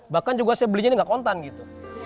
bahkan juga saya belinya ini gak kontan gitu